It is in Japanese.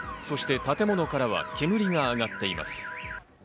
そして建物からは煙が上がっています。